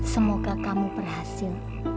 semoga kamu berhasil